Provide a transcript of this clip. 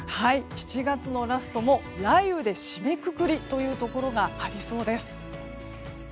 ７月のラストも雷雨で締めくくりというところがありそうです。